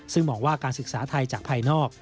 ซึ่งมองว่าการศึกษาไทยจากภายนอก